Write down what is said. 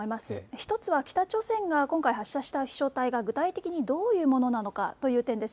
１つは北朝鮮が今回、発射した飛しょう体が具体的にどういうものなのかという点です。